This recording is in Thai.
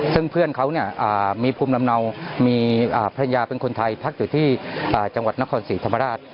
ซึ่งเพื่อนเขามีภูมิลำเนามีภรรยาเป็นคนไทยพักอยู่ที่จังหวัดนครศรีธรรมราช